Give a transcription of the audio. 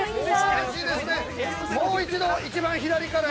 もう一度一番左から。